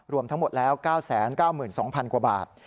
รวมทั้งหมดแล้ว๙๙๒๐๐๐กว่าบาท